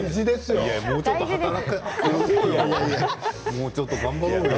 もうちょっと頑張ろうよ。